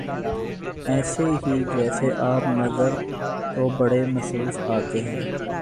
ایسے ہی جیسے آپ نظر تو بڑے مصروف آتے ہیں